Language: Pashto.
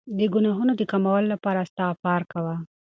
د ګناهونو د کمولو لپاره استغفار کوه.